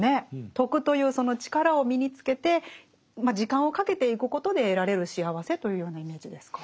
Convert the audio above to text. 徳というその力を身につけて時間をかけていくことで得られる幸せというようなイメージですか？